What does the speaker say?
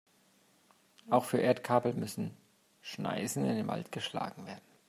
Auch für Erdkabel müssen Schneisen in den Wald geschlagen werden.